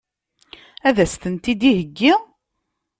Ad as-tent-id-iheggi?